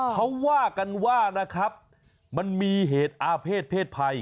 เขาว่ากันว่านะครับมันมีเหตุอาเภษเพศภัย